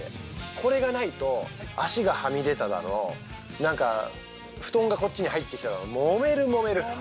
これがないと、足がはみ出ただの、布団がこっちに入ってきただの揉める揉める。